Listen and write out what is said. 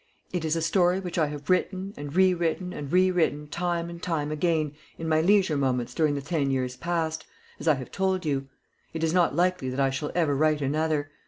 It is a story which I have written and rewritten and rewritten time and time again in my leisure moments during the ten years past, as I have told you. It is not likely that I shall ever write another.